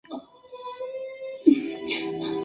匙叶齿缘草为紫草科齿缘草属的植物。